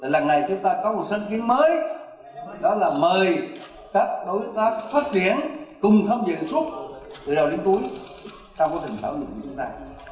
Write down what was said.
lần này chúng ta có một sáng kiến mới đó là mời các đối tác phát triển cùng tham dự xuất từ đầu đến cuối trong quá trình thảo luận như chúng ta